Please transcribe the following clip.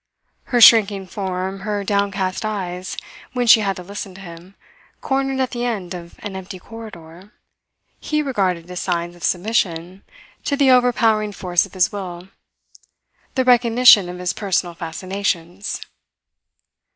Her shrinking form, her downcast eyes, when she had to listen to him, cornered at the end of an empty corridor, he regarded as signs of submission to the overpowering force of his will, the recognition of his personal fascinations.